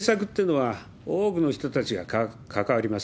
政策というのは多くの人たちが関わります。